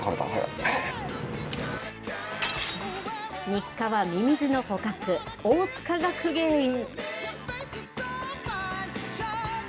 日課はミミズの捕獲、大塚学芸員。